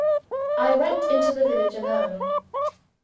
I went into the village alone.